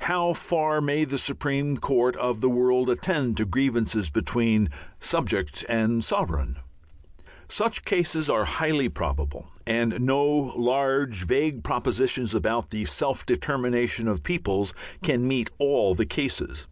How far may the supreme court of the world attend to grievances between subject and sovereign? Such cases are highly probable, and no large, vague propositions about the "self determination" of peoples can meet all the cases.